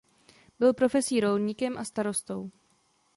Byl profesí rolníkem a starostou.